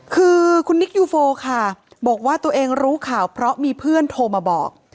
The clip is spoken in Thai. คือคุณนิกยูโฟค่ะบอกว่าตัวเองรู้ข่าวเพราะมีเพื่อนโทรมาบอก